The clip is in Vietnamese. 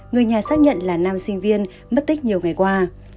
người nhà xác nhận là nam sinh viên mất tích nhiều ngày qua